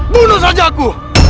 bunuh saja aku